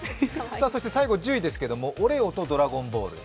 最後１０位ですがオレオと「ドラゴンボール」